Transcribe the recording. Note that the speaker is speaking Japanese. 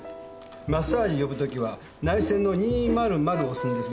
マッサージ呼ぶときは内線の「２・０・０」を押すんです。